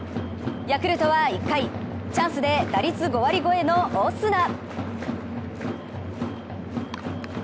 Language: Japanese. ヤクルトは１回、チャンスで打率５割超えのオスナ。